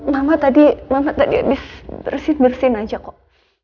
mama tadi mama tadi abis bersihin bersihin aja kok